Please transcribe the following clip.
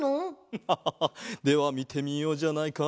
フハハハではみてみようじゃないか。